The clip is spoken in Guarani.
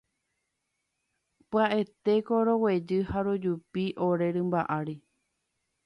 Pya'épeko roguejy ha rojupi ore rymba ári.